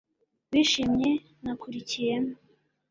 wishimye nakuriyemo